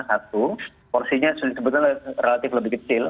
satu porsinya sebetulnya relatif lebih kecil